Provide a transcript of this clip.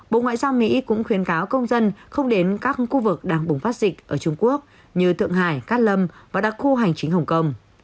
bộ ngoại giao mỹ cũng khuyến cáo công dân không đến các khu vực đang bùng phát dịch ở trung quốc như thượng hải cát lâm và đặc khu hành chính hồng kông